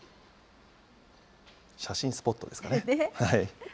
写真スポットですかね。